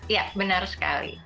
iya benar sekali